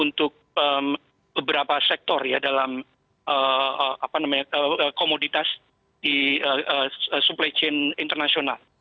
untuk menjadi production hub untuk beberapa sektor ya dalam komoditas di supply chain internasional